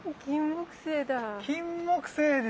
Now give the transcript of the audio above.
キンモクセイだ。